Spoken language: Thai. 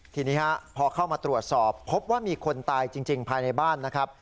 ทีนี้พอเข้ามาตรวจสอบพบว่ามีคนตายจริงภายในบ้านนะครับ